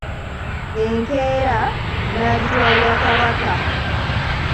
Enkeera n’agyitwalira Kabaka.